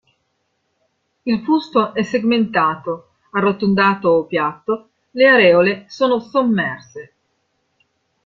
Il fusto è segmentato, arrotondato o piatto, le areole sono sommerse.